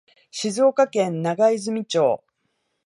静岡県長泉町